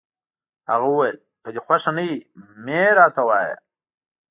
هغه وویل: که دي خوښه نه وي، مه يې راته وایه.